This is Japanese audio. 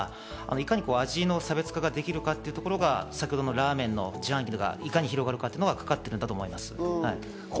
いかに味の差別化ができるかというところが先ほどのラーメンの自販機がいかに広がるかっていうことにかかってくると思います。